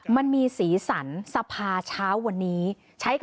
มันมีศรีศันศรัพย์เช้าวันนี้